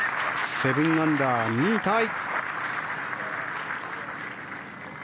７アンダー、２位タイ。